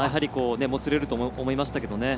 もつれると思いましたけど。